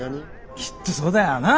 きっとそうだよ。なあ？